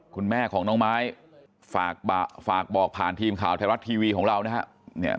คุณแม่ของน้องไม้ฝากบอกผ่านทีมข่าวไทยรัฐทีวีของเรานะฮะ